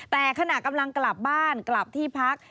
แต่ขณะกำลังกลับบ้านกลับที่พัก